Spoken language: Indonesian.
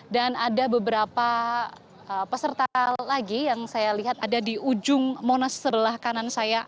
dan ada beberapa peserta lagi yang saya lihat ada di ujung monas sebelah kanan saya